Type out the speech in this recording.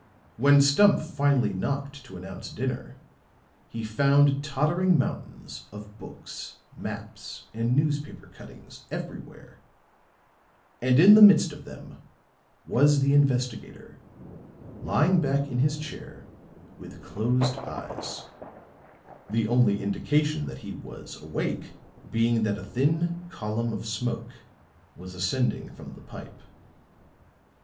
When Stumph finally knocked to announce dinner, he found tottering mountains of books, maps and newspaper cuttings everywhere and in the midst of them was the investigator, lying back in his chair with closed eyes; the only indication that he was awake being that a thin column of smoke was ascending from the pipe.